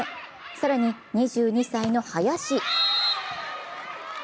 更に２２歳の林。